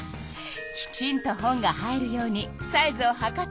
きちんと本が入るようにサイズをはかっているのね。